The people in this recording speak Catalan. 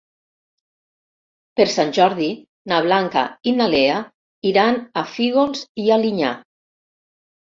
Per Sant Jordi na Blanca i na Lea iran a Fígols i Alinyà.